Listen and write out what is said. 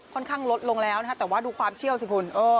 ค่อนข้างลดลงแล้วนะฮะแต่ว่าดูความเชี่ยวสิคุณ